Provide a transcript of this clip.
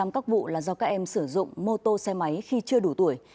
các vụ là do các em sử dụng mô tô xe máy khi chưa đủ tuổi